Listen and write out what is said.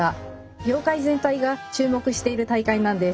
業界全体が注目している大会なんです。